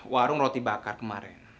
warung roti bakar kemarin